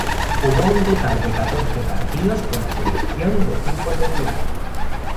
Jugó un total de catorce partidos con la selección de fútbol de Bulgaria.